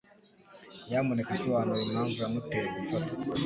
Nyamuneka sobanura impamvu yamuteye gufatwa